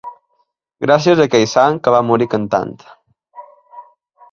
Gràcies a aquell sant que va morir cantant.